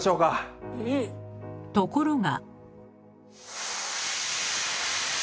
ところが。